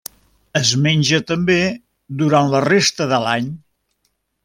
Es menja també durant la resta de l'any.